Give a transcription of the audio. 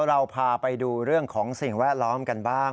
เราพาไปดูเรื่องของสิ่งแวดล้อมกันบ้าง